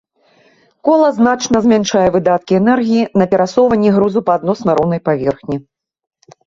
Кола значна змяншае выдаткі энергіі на перасоўванне грузу па адносна роўнай паверхні.